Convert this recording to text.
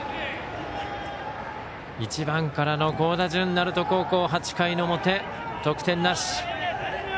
１番からの好打順、鳴門高校８回の表、得点なし。